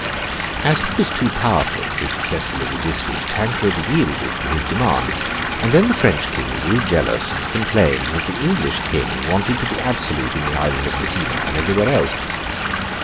As he was too powerful to be successfully resisted, Tancred yielded to his demands; and then the French King grew jealous, and complained that the English King wanted to be absolute in the Island of Messina and everywhere else.